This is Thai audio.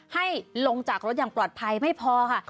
ให้ลงจากรถอย่างปลอดภัยไม่พอค่ะ